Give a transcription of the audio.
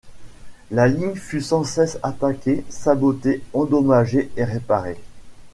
La ligne fut sans cesse attaquée, sabotée, endommagé et réparée.